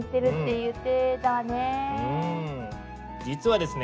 実はですね